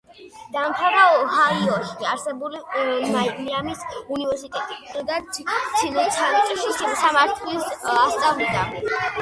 დაამთავრა ოჰაიოში არსებული მაიამის უნივერსიტეტი და ცინცინატში სამართალს ასწავლიდა.